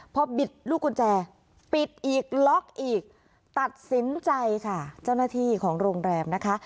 พอบิดลูกกุญแจปิดอีกล็อกอีกตัดสินใจค่ะเจ้าหน้าที่ของโรงแรมนะคะ